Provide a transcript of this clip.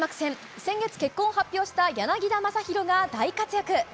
先月、結婚を発表した柳田が大活躍。